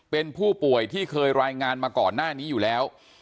เป็นผู้ป่วยที่เคยรายงานมาก่อนหน้านี้อยู่แล้ว